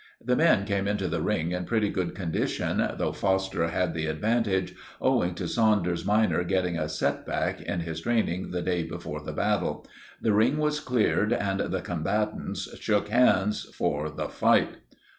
"The men came into the ring in pretty good condition, though Foster had the advantage owing to Saunders minor getting a set back in his training the day before the battle. The ring was cleared, and the combatants shook hands for "THE FIGHT.